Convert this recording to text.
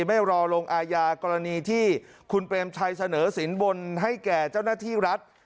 ไม่รอลงอาญากรณีที่คุณเปรมชัยเสนอสินบนให้แก่เจ้าหน้าที่รัฐ